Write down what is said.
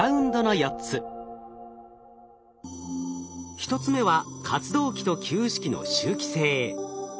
１つ目は活動期と休止期の周期性。